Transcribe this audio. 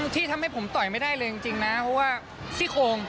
ที่ทำให้ผมต่อยไม่ได้เลยจริงนะเพราะว่าซี่โคง